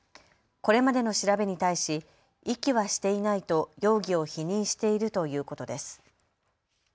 これまでの調べに対し遺棄はしていないと容疑を否認しているということです。